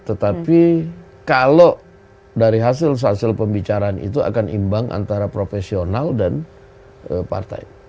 tetapi kalau dari hasil hasil pembicaraan itu akan imbang antara profesional dan partai